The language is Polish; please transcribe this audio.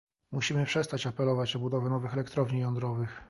Musimy przestać apelować o budowę nowych elektrowni jądrowych